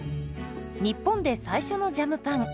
日本で最初のジャムパン。